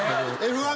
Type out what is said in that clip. Ｆ１